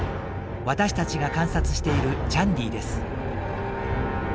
私たちが観察しているチャンディーです。